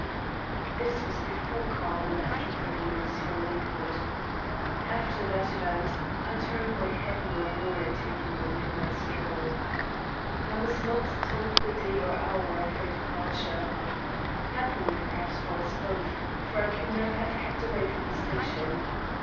This was before Carmel left with her nurse for Lakewood. After that event, I turned my head no more, in taking my midnight stroll. I was not told the day or hour of her departure. Happily, perhaps, for us both, for I could never have kept away from the station.